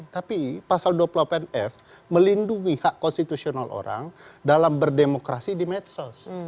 tapi pasal dua puluh delapan f melindungi hak konstitusional orang dalam berdemokrasi di medsos